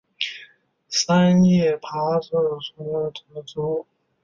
三叶崖爬藤是葡萄科崖爬藤属的植物。